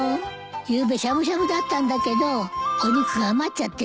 ゆうべしゃぶしゃぶだったんだけどお肉が余っちゃってね。